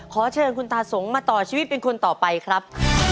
ขอเชิญคุณตาสมมาต่อชีวิตเป็นคนต่อไปครับ